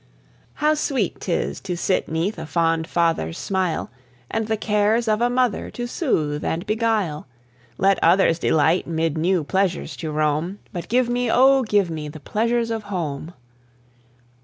How sweet 'tis to sit 'neath a fond father's smile, And the cares of a mother to soothe and beguile! Let others delight 'mid new pleasures to roam, But give me, oh, give me, the pleasures of Home! Home!